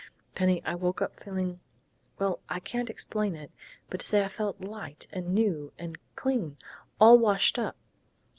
Penny, I woke up feeling well, I can't explain it but to say I felt light and new and and clean.... All washed up!